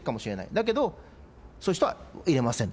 だけど、そういう人は入れませんと。